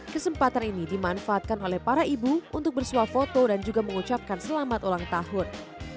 kesempatan ini dimanfaatkan oleh para ibu untuk bersuah foto dan juga mengucapkan selamat ulang tahun